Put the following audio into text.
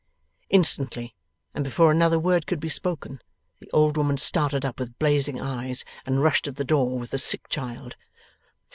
Instantly, and before another word could be spoken, the old woman started up with blazing eyes, and rushed at the door with the sick child.